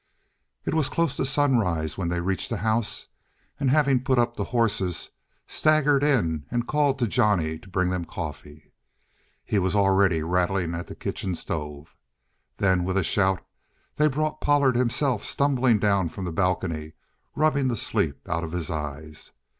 It was close to sunrise when they reached the house, and having put up the horses, staggered in and called to Johnny to bring them coffee; he was already rattling at the kitchen stove. Then, with a shout, they brought Pollard himself stumbling down from the balcony rubbing the sleep out of his eyes.